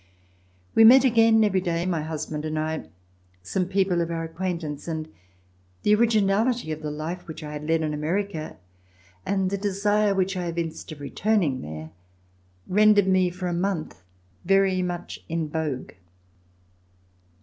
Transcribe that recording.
We met again every day, my husband and I, some people of our acquaintance, and the originality of the life which I had led in America and the desire which I evinced of returning there rendered me for a month very much in vogue.